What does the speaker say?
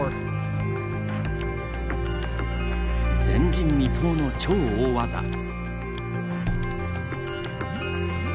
前人未到の超大技。